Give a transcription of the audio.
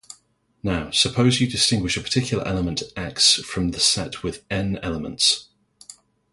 Now, suppose you distinguish a particular element 'X' from the set with "n" elements.